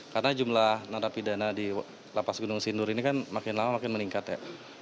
karena jumlah narapidana di lapas gunung sindur ini kan makin lama makin meningkat ya